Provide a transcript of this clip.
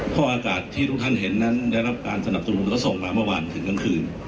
เพราะอากาศที่ทุกท่านเห็นนั้นได้รับการสนับสนุนและส่งมาเมื่อวานถึงกลางคืน